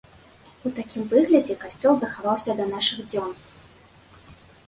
У такім выглядзе касцёл захаваўся да нашых дзён.